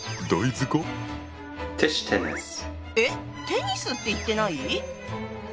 テニスって言ってない？